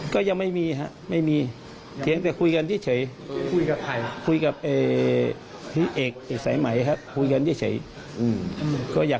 ขอฝากศรีสรรค์บันเทิงด้วยครับ